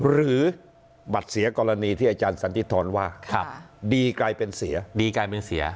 หรือบัตรเสียกรณีที่อาจารย์สันติธรว่าดีกลายเป็นเสียดีกลายเป็นเสีย